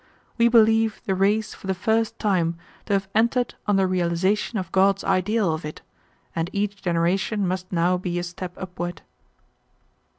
We believe the race for the first time to have entered on the realization of God's ideal of it, and each generation must now be a step upward.